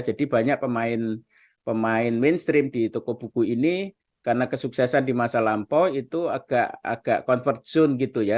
jadi banyak pemain mainstream di toko buku ini karena kesuksesan di masa lampau itu agak convert zone gitu ya